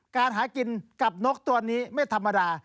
การหากินกับนกตัวนี้ไม่ธรรมดา